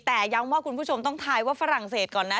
แต่ย้ำว่าคุณผู้ชมต้องทายว่าฝรั่งเศสก่อนนะ